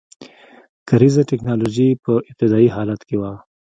کرنیزه ټکنالوژي په ابتدايي حالت کې وه.